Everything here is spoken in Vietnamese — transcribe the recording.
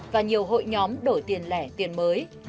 và nhiều hội nhóm đổi tiền lẻ tiền mới